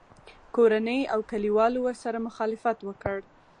کورنۍ او کلیوالو ورسره مخالفت وکړ